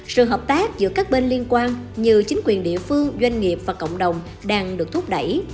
sự hợp tác giữa các bên liên quan như chính quyền địa phương doanh nghiệp và cộng đồng đang được thúc đẩy